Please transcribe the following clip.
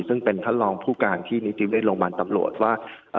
ซึ่งเป็นท่านรองผู้การที่นิติเวชโรงพยาบาลตำรวจว่า